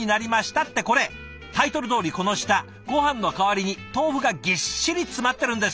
ってこれタイトルどおりこの下ごはんの代わりに豆腐がぎっしり詰まってるんですって！